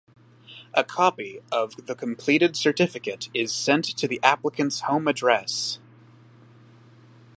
A Copy of the completed certificate is sent to the applicant's home address.